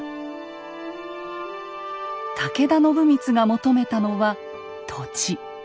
武田信光が求めたのは土地。